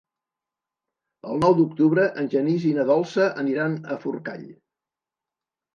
El nou d'octubre en Genís i na Dolça aniran a Forcall.